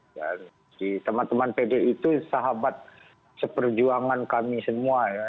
dan teman teman pdip itu sahabat seperjuangan kami semua ya